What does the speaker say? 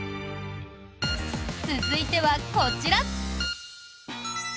続いてはこちら。